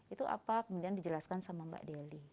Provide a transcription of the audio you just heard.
itu apa kemudian dijelaskan sama mbak delhi